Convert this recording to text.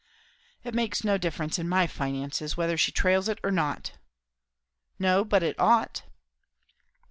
"It makes no difference in my finances, whether she trails it or not." "No, but it ought."